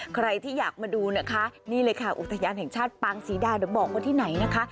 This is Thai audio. ใครที่อยากมาดูนะคะนี่เลยค่ะอุทยานแห่งชาติปางศรีดาเดี๋ยวบอกว่าที่ไหนนะคะ